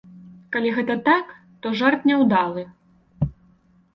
Калі гэта так, то жарт няўдалы.